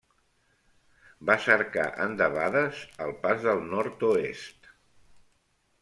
Va cercar endebades el Pas del Nord-oest.